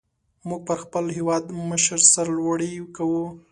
موږ پر خپل هېوادمشر سر لوړي کو.